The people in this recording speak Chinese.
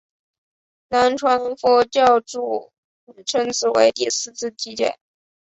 南传佛教称此为第四次结集。